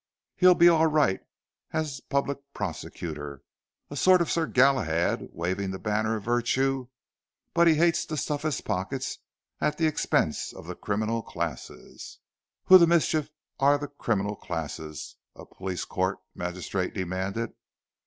He'd be all right as Public Prosecutor, a sort of Sir Galahad waving the banner of virtue, but he hates to stuff his pockets at the expense of the criminal classes." "Who the mischief are the criminal classes?" a police court magistrate demanded.